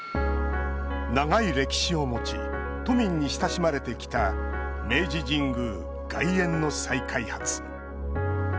長い歴史を持ち都民に親しまれてきた明治神宮外苑の再開発。